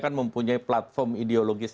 kan mempunyai platform ideologis